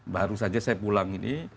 baru saja saya pulang ini